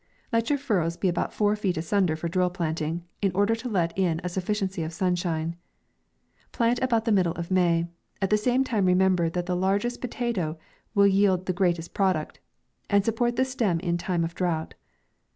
Let your furrows be about four feet asun der for drill planting, in order to let in a suf ficiency of sunshine. Plant about the middle of May ; ?t the same time remember that the largest potatoe will yield the greatest product, and support the stem in time of drought.